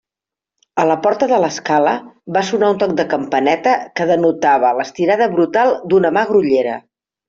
A la porta de l'escala va sonar un toc de campaneta que denotava l'estirada brutal d'una mà grollera.